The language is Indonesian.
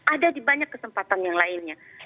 ada di banyak kesempatan yang lainnya